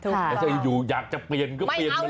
แต่ถ้าอยู่อยากจะเปลี่ยนก็เปลี่ยนมาเลย